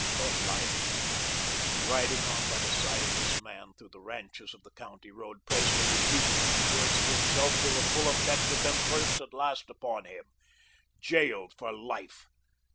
For life! Riding on by the side of this man through the ranches by the County Road, Presley repeated these words to himself till the full effect of them burst at last upon him. Jailed for life!